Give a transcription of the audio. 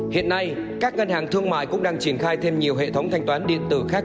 hiện nay các ngân hàng thương mại cũng đang triển khai thêm nhiều hệ thống thanh toán điện tử khác